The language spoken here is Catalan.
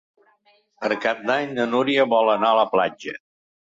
Per Cap d'Any na Núria vol anar a la platja.